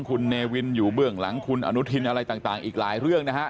คุณเนวินอยู่เบื้องหลังคุณอนุทินอะไรต่างอีกหลายเรื่องนะฮะ